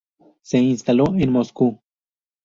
Se instaló en Moscú.